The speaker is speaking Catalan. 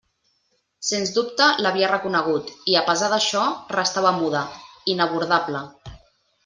Sens dubte l'havia reconegut, i a pesar d'això, restava muda, inabordable.